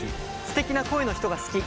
「すてきな声の人が好き」。